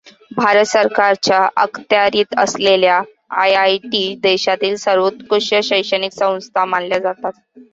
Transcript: भारत सरकारच्या अखत्यारीत असलेल्या आय. आय. टी. देशातील सर्वोत्कृष्ट शैक्षणिक संस्था मानल्या जातात.